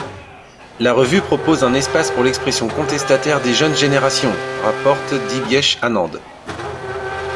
La revue propose un espace pour l'expression contestataire des jeunes générations, rapporte Dibyesh Anand.